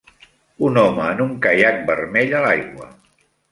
Un home en un caiac vermell a l'aigua